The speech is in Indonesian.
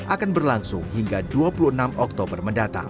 akan berlangsung hingga dua puluh enam oktober mendatang